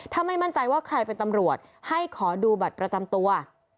ถ้าไม่มั่นใจว่าใครเป็นตำรวจให้ขอดูบัตรประจำตัว